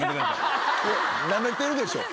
ナメてるでしょ。